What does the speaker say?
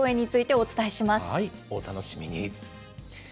お楽しみに。